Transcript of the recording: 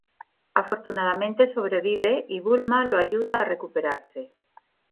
Afortunadamente sobrevive, y Bulma lo ayuda a recuperarse.